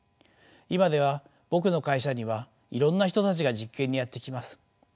今では僕の会社にはいろんな人たちが実験にやって来ます。